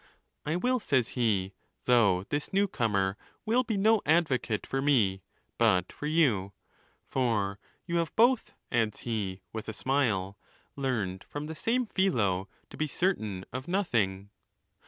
I will, says he, though this new comer will be no advocate for me, but for you; for you. have both, adds he, with a smile, learned from the same Philo to be certain of nothing.'